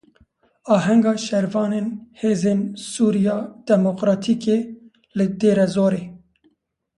Ahenga şervanên Hêzên Sûriya Demokratîkê li Dêrezorê.